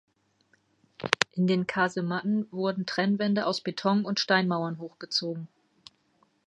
In den Kasematten wurden Trennwände aus Beton und Steinmauern hochgezogen.